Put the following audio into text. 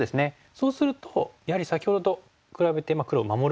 そうするとやはり先ほどと比べて黒守るぐらいですけどもね。